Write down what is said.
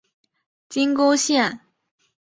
金沟线